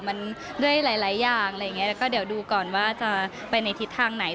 มันด้วยหลายอย่างอะไรอย่างเงี้แล้วก็เดี๋ยวดูก่อนว่าจะไปในทิศทางไหน